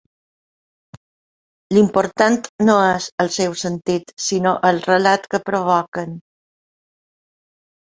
L'important no és el seu sentit sinó el relat que provoquen.